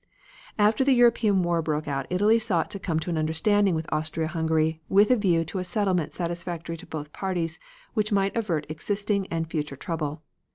"After the European war broke out Italy sought to come to an understanding with Austria Hungary with a view to a settlement satisfactory to both parties which might avert existing and future trouble.